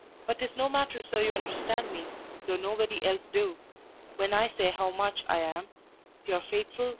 But 'tis no matter so you understand me, though nobody else do, when I say how much I am Your faithful.